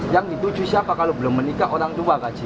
yang dituju siapa kalau belum menikah orang tua kaji